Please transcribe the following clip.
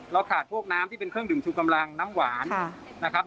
ขาดพวกน้ำที่เป็นเครื่องดื่มชูกำลังน้ำหวานนะครับ